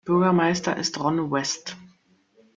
Bürgermeister ist Ron West.